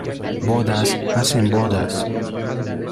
Bodas hacen bodas.